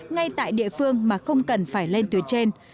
ngay tại địa phương mà không cần phải lên tuyến trên